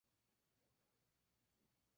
Es un endemismo de Argentina.